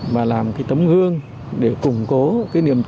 và làm cái tấm hương để củng cố cái niềm chống